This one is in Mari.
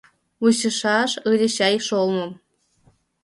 Вучышаш ыле чай шолмым.